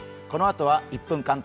このあとは「１分！